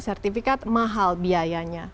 sertifikat mahal biayanya